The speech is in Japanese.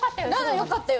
よかったよ。